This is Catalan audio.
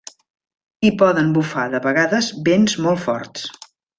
Hi poden bufar, de vegades, vents molt forts.